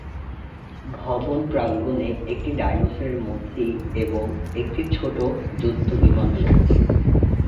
ভবন প্রাঙ্গণে একটি ডাইনোসরের মূর্তি এবং একটি ছোট যুদ্ধ বিমান রয়েছে।